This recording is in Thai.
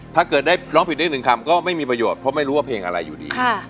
ถ้าเกิดได้ร้องผิดได้หนึ่งคำก็ไม่มีประโยชน์เพราะไม่รู้ว่าเพลงอะไรอยู่ดี